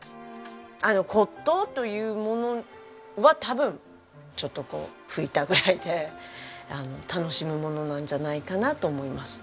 骨董というものは多分ちょっとこう拭いたぐらいで楽しむものなんじゃないかなと思います。